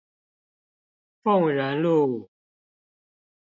鳳仁路